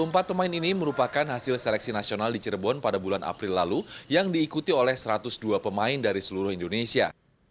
empat pemain ini merupakan hasil seleksi nasional di cirebon pada bulan april lalu yang diikuti oleh satu ratus dua pemain dari seluruh indonesia